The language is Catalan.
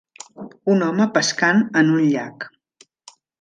Un home pescant en un llac.